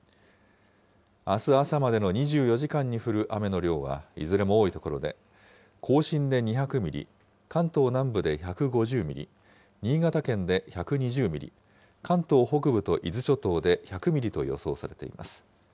あす朝までの２４時間に降る雨の量は、いずれも多い所で、甲信で２００ミリ、関東南部で１５０ミリ、新潟県で１２０ミリ、関東北部と伊豆諸島で１００ミリと予想されています。